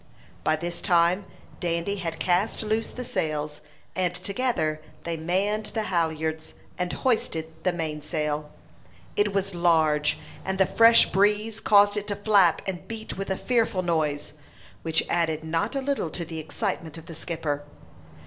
By this time Dandy had cast loose the sails, and together they manned the halyards, and hoisted the mainsail. It was large, and the fresh breeze caused it to flap and beat with a fearful noise, which added not a little to the excitement of the skipper.